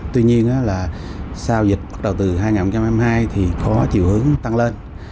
tuy nhiên là sau dịch bắt đầu từ hai nghìn hai mươi hai thì có chiều hướng tăng lên